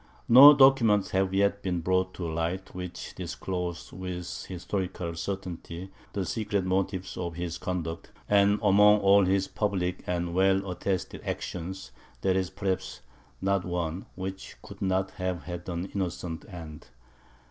No documents have yet been brought to light, which disclose with historical certainty the secret motives of his conduct; and among all his public and well attested actions, there is, perhaps, not one which could not have had an innocent end.